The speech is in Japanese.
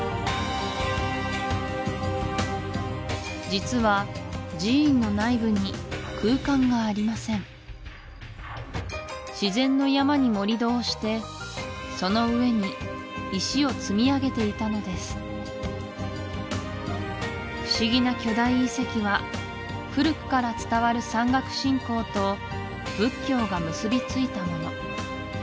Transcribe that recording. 実は寺院の内部に空間がありません自然の山に盛り土をしてその上に石を積み上げていたのです不思議な巨大遺跡は古くから伝わる山岳信仰と仏教が結びついたもの